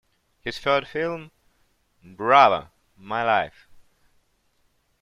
His third film Bravo, My Life!